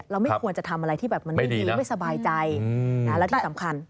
ไม่ควรจะทำอะไรที่แบบมันไม่ดีไม่สบายใจแล้วที่สำคัญ